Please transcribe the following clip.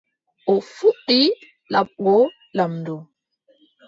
O fuɗɗi laɓgo laamɗo.